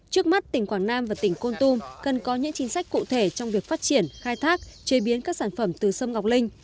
trước mắt tỉnh quảng nam và tỉnh con tum cần có những chính sách cụ thể trong việc phát triển khai thác chế biến các sản phẩm từ sâm ngọc linh